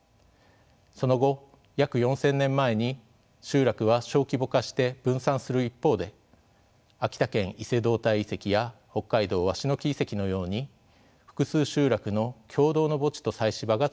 その後約４，０００年前に集落は小規模化して分散する一方で秋田県伊勢堂岱遺跡や北海道鷲ノ木遺跡のように複数集落の共同の墓地と祭祀場が作られます。